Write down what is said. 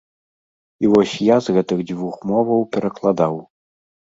І вось я з гэтых дзвюх моваў перакладаў.